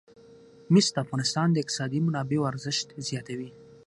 مس د افغانستان د اقتصادي منابعو ارزښت زیاتوي.